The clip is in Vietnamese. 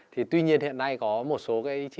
thì tuy nhiên hiện nay có một số